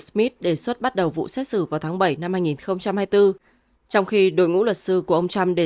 smith đề xuất bắt đầu vụ xét xử vào tháng bảy năm hai nghìn hai mươi bốn trong khi đội ngũ luật sư của ông trump đề